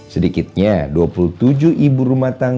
sedikitnya dua puluh tujuh ibu rumah tangga